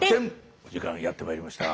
お時間やってまいりました。